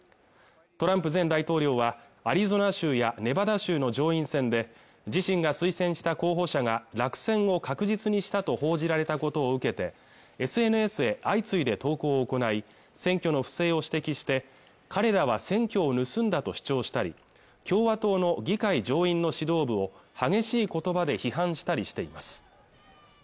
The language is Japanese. トランプ前大統領はアリゾナ州やネバダ州の上院選で自身が推薦した候補者が落選を確実にしたと報じられたことを受けてＳＮＳへ相次いで投稿を行い選挙の不正を指摘して彼らは選挙を盗んだと主張したり共和党の議会上院の指導部を激しい言葉で批判したりしています